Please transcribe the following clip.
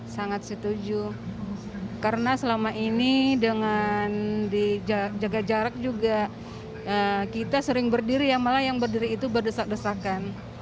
sangat setuju karena selama ini dengan dijaga jarak juga kita sering berdiri ya malah yang berdiri itu berdesak desakan